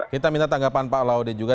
kita minta tanggapan pak laude juga